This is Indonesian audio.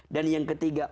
dan yang ketiga